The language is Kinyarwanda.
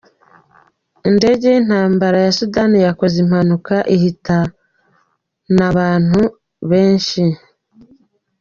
Indege y’intambara ya Sudani yakoze impanuka ihitana abantu abantu benshi